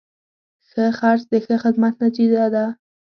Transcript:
ښه خرڅ د ښه خدمت نتیجه ده.